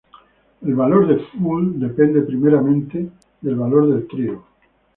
El valor del "full" depende primeramente del valor del trío.